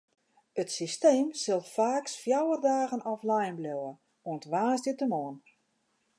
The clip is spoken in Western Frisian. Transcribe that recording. It systeem sil faaks fjouwer dagen offline bliuwe, oant woansdeitemoarn.